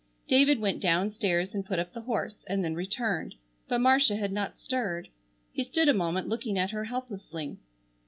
David went downstairs and put up the horse, and then returned, but Marcia had not stirred. He stood a moment looking at her helplessly.